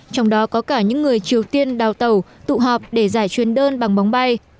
trong đó có cả những người triều tiên đào tàu tụ họp để giải chuyên đơn bằng bóng bay